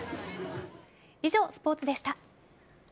以上、スポーツでした。